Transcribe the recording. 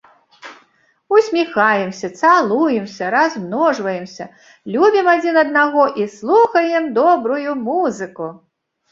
Усміхаемся, цалуемся, размножваемся, любім адзін аднаго і слухаем добрую музыку!